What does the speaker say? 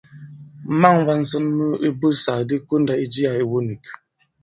Ma᷇ŋ wā ŋsɔn mu ibussàk di kondā i jiā iwu nīk.